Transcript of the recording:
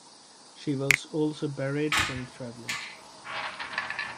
She was also barred from traveling.